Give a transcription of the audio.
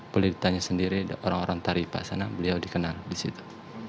boleh ditanya sendiri orang orang tari pak sana beliau dikenal di situ